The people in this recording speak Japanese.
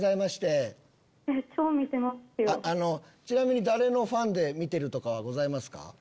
ちなみに誰のファンで見てるとかございますか？